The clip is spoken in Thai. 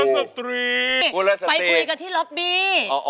ไปคุยกันที่ล็อบบี้